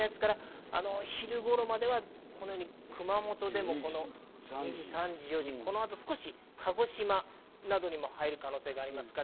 昼頃までは熊本でも２時、３時、４時、少し鹿児島などにも入る可能性があります。